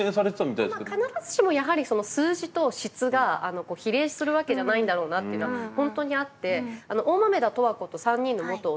必ずしもやはり数字と質が比例するわけじゃないんだろうなっていうのは本当にあって「大豆田とわ子と三人の元夫」